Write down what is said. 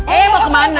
eh mau ke mana